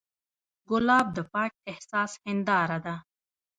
ګلاب د پاک احساس هنداره ده.